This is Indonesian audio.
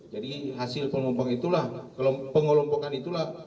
jadi hasil pengelompokan itulah